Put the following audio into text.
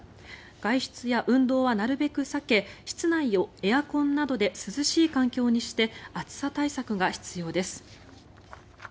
外出や運動はなるべく避け室内をエアコンなどで涼しい環境にして暑さ対策が必要です。